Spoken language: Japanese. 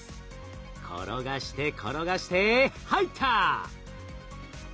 転がして転がして入った！